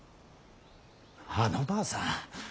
あのばあさん